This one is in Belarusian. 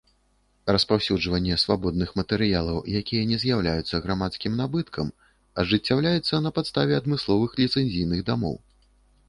Распаўсюджванне свабодных матэрыялаў, якія не з'яўляюцца грамадскім набыткам, ажыццяўляецца на падставе адмысловых ліцэнзійных дамоў.